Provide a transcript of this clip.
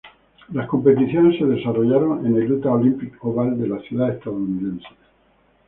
Las competiciones se desarrollaron en el Utah Olympic Oval de la ciudad estadounidense.